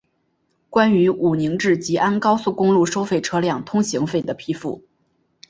关于武宁至吉安高速公路收取车辆通行费的批复